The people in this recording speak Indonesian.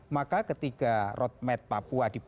maka ketika roadmap papua